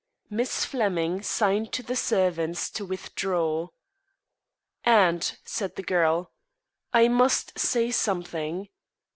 Miss Flemming signed to the servants to withdraw. "Aunt," said the girl, "I must say something.